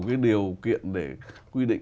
cái điều kiện để quy định